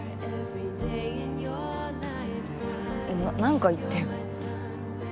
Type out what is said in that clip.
な何か言ってよ。